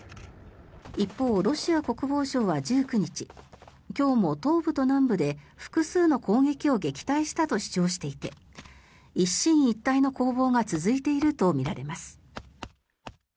一方、ロシア国防省は１９日今日も東部と南部で複数の攻撃を撃退したと主張していて一進一退の攻防が続いているとみられます。